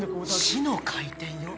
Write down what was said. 「死の回転」よ。